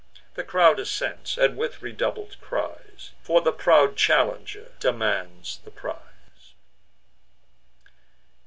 The crowd assents, and with redoubled cries For the proud challenger demands the prize.